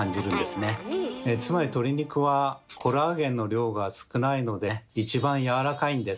つまり鶏肉はコラーゲンの量が少ないので一番やわらかいんです。